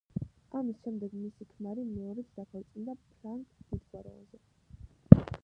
ამის შემდეგ მისი ქმარი მეორედ დაქორწინდა ფრანგ დიდგვაროვანზე.